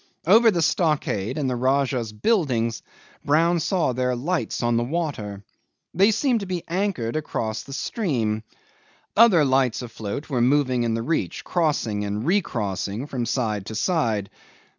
Over the stockade and the Rajah's buildings Brown saw their lights on the water. They seemed to be anchored across the stream. Other lights afloat were moving in the reach, crossing and recrossing from side to side.